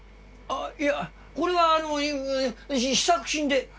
あっいやこれは試作品で。